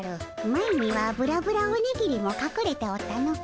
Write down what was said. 前にはブラブラオニギリもかくれておったの。